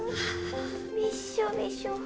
びっしょびしょ。